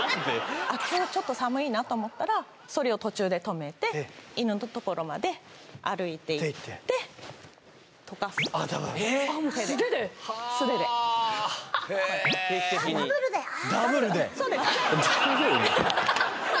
ちょっと寒いなと思ったらソリを途中で止めて犬のところまで歩いていって溶かす手で定期的にダブルで？